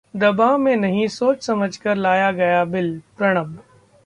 दबाव में नहीं, सोच-समझकर लाया गया बिलः प्रणब